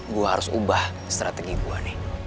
gue harus ubah strategi gue nih